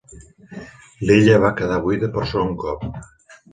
L'illa va quedar buida per segon cop.